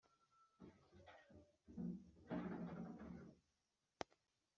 Twe kunanirwa dukandane ubunana